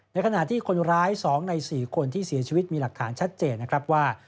ในขณะที่คนร้าย๒ใน๔คนที่เสียชีวิตมีหลักฐานชัดเจนนะครับว่า